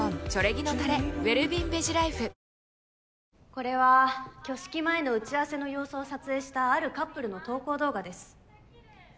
これは挙式前の打ち合わせの様子を撮影したあるカップルの投稿動画です。